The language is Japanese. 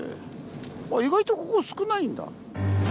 意外とここ少ないんだ。